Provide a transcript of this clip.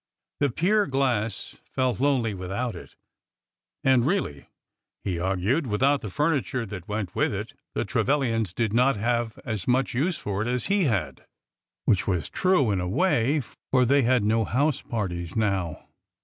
The pier glass felt lonely without it; and really, he argued, without the furniture that went with it, the Trevilians did not have as much use for it as he had. 26 o ORDER NO. 11 Which was true, in a way, for they had no house parties now.